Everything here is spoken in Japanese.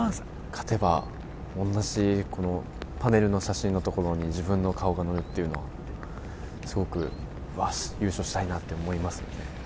◆勝てば同じパネルの写真のところに自分の顔が載るというのはすごく優勝したいなって思いますね。